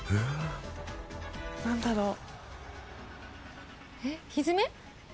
何だろう？